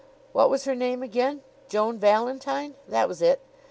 What was her name again? Joan Valentine. That was it.